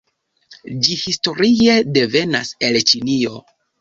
Ĝi historie devenas el Ĉinio.